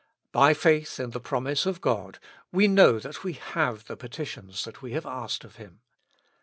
By faith in the promise of God we know that we have the petitions we have asked of Him.